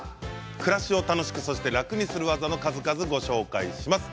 暮らしを楽しく楽にする技の数々をご紹介します。